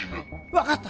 分かった！